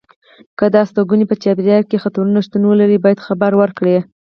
که د استوګنې په چاپېریال کې خطرونه شتون ولري باید خبر ورکړي.